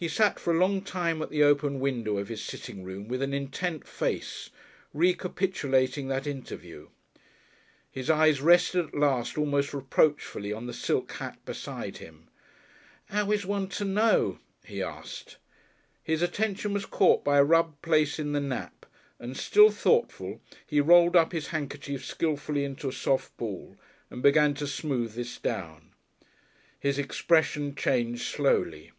He sat for a long time at the open window of his sitting room with an intent face, recapitulating that interview. His eyes rested at last almost reproachfully on the silk hat beside him. "'Ow is one to know?" he asked. His attention was caught by a rubbed place in the nap, and, still thoughtful, he rolled up his handkerchief skilfully into a soft ball and began to smooth this down. His expression changed slowly.